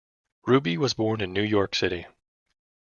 Ruby was born in New York City.